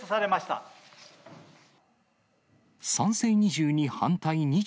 賛成２２、反対２３。